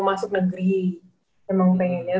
masuk negeri emang pengennya